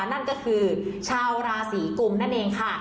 นั่นก็คือชาวราศีกุมนั่นเองค่ะ